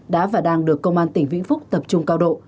đã và đang được công an tỉnh vĩnh phúc tập trung cao độ